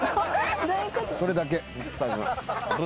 それだけ。